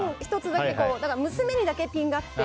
だから娘にだけピンが合って。